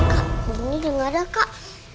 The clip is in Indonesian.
kak bengi dengarnya kak